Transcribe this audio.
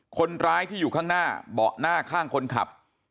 คนร้ายที่อยู่ข้างหน้าเบาะหน้าข้างคนขับ